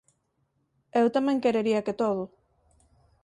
Eu tamén querería que todo